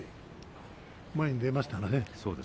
前に出ましたからね。